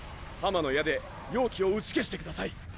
破魔の矢で妖気を打ち消してください。